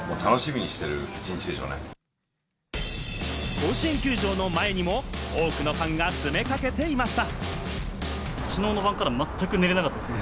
甲子園球場の前にも多くのファンが詰めかけていました。